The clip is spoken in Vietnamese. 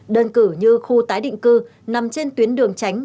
đơn cử như khu tái định cư nằm trên tuyến đường tránh